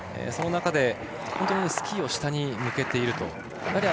その中で、本当にスキーを下に向けていると。